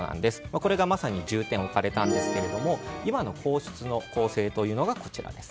これがまさに重点を置かれたんですが今の皇室の構成というのがこちらです。